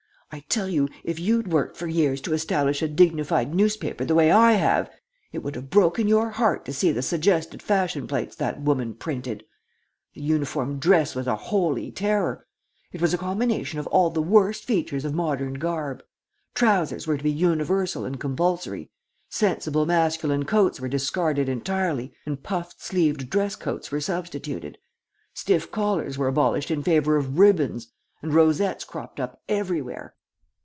I tell you, if you'd worked for years to establish a dignified newspaper the way I have, it would have broken your heart to see the suggested fashion plates that woman printed. The uniform dress was a holy terror. It was a combination of all the worst features of modern garb. Trousers were to be universal and compulsory; sensible masculine coats were discarded entirely, and puffed sleeved dress coats were substituted. Stiff collars were abolished in favor of ribbons, and rosettes cropped up everywhere.